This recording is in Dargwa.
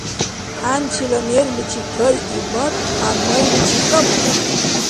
ХӀянчила мерличи кайибмад, ГӀяммайличи тӀамадарира.